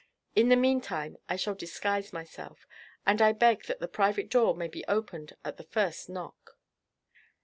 In the meantime I shall disguise myself; and I beg that the private door may be opened at the first knock."